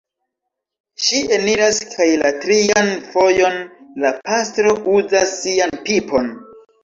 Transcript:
Ŝi eniras kaj la trian fojon la pastro uzas sian pipon...